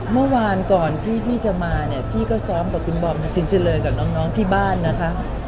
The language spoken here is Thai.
เมื่อวานก่อนที่พี่จะมาเนี่ยพี่ก็ซ้อมกับคุณบอมสินเลยกับน้องที่บ้านนะคะ